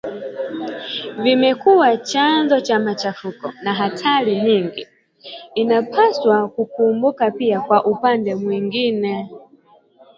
vimekua chanzo cha machafuko na hatari nyingi, inapaswa kukumbuka pia kwa upande mwingine